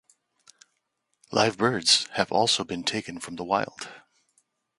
Live birds have also been taken from the wild.